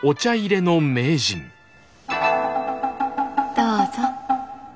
どうぞ。